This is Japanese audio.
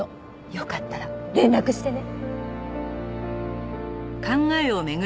よかったら連絡してね！